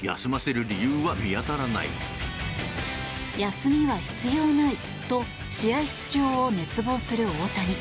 休みは必要ないと試合出場を熱望する大谷。